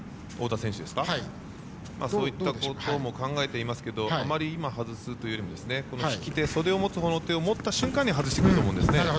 そういったことも考えていますけどあまり今、外すというよりも引き手袖を持つほうの手を持った瞬間に外してくると思うんですね。